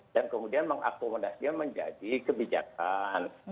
dan kemudian mengakomodasinya menjadi kebijakan